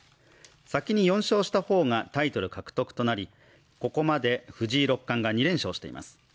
先に４勝した方がタイトル獲得となり、ここまで藤井六冠が２連勝しています。